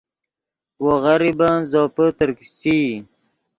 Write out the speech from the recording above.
وو غریبن زوپے ترکیشچئی